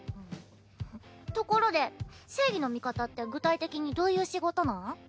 ところで正義の味方って具体的にどういう仕事なん？